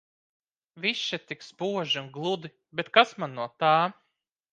Viss še tik spoži un gludi, bet kas man no tā.